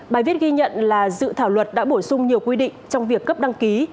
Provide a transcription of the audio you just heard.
bài viết ghi nhận là dự thảo luật đã bổ sung nhiều quy định trong việc cấp đăng ký